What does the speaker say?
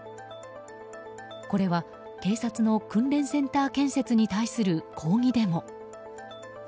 これは警察の訓練センター建設に対する抗議デモ。